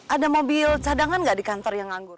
ada mobil cadangan nggak di kantor yang nganggur